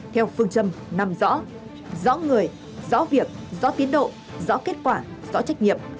theo phương châm năm rõ người rõ việc rõ tiến độ rõ kết quả rõ trách nhiệm